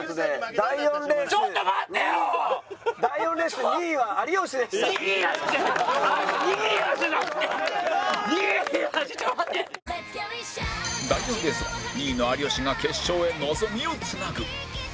第４レースは２位の有吉が決勝へ望みを繋ぐ